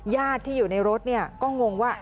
ญาติที่อยู่ในรถก็งงว่า